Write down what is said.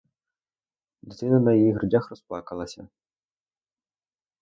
Дитина на її грудях розплакалася.